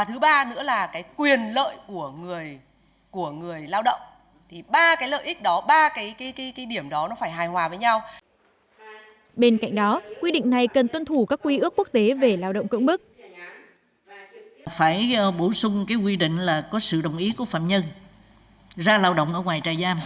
thứ ba nữa là cũng phải bảo đảm cái vấn đề luật lao động ở trong này